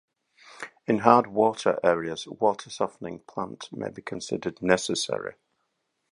In hard water areas, water softening plant may have been considered necessary.